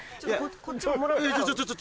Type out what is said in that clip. こっちも。